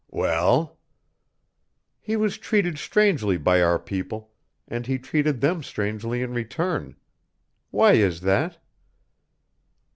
"Well?" "He was treated strangely by our people, and he treated them strangely in return. Why is that?"